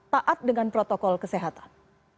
taat dengan protokol kesehatan